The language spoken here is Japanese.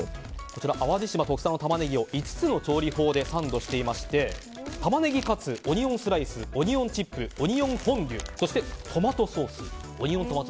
こちら淡路島特産のタマネギを５つの調理法でサンドしていてタマネギカツ、オニオンスライスオニオンチップオニオンフォンデュトマトソース。